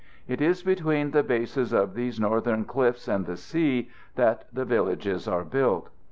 It is between the bases of these northern cliffs and the sea that the villages are built.